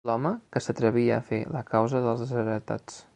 L'home que s'atrevia a fer la causa dels desheretats